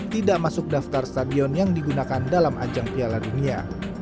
tidak masuk daftar stadion yang digunakan dalam ajang piala dunia